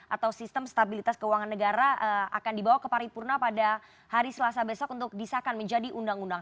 atau sistem stabilitas keuangan negara akan dibawa ke paripurna pada hari selasa besok untuk disahkan menjadi undang undang